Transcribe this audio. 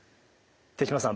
豊嶋さん